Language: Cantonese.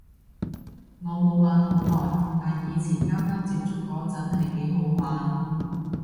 我冇玩好耐，但以前啱啱接觸嗰陣係幾好玩